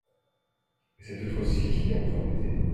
Et cet autre-ci qui vient vous embêter.